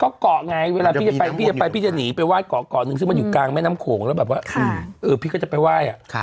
ก็เกาะไงเวลาพี่จะไปพี่จะไปพี่จะหนีไปไห้เกาะเกาะหนึ่งซึ่งมันอยู่กลางแม่น้ำโขงแล้วแบบว่าพี่ก็จะไปไหว้